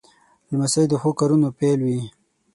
لمسی د ښو کارونو پیل وي.